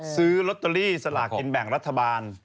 ซื้อลอตเตอรี่สลากกินแบ่งรัฐบาล